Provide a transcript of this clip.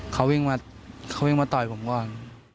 เขาวิ่งมาต่อยผมก่อน